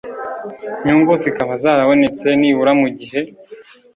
nyungu zikaba zarabonetse nibura mu gihe